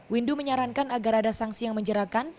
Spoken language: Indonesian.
windu menyarankan agar ada sanksi yang menjerakan